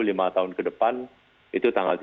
ini berkat kepemimpinan perdana menteri modi